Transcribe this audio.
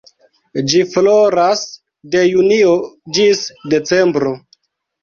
Ĝi floras de junio ĝis decembro.